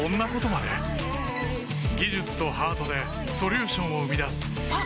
技術とハートでソリューションを生み出すあっ！